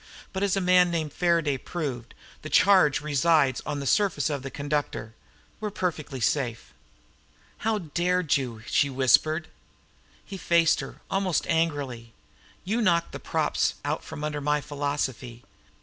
But, as a man named Faraday proved, the charge resides on the surface of the conductor. We're perfectly safe." "How dared you!" she whispered. He faced her, almost angrily. "You knocked the props out from under my philosophy.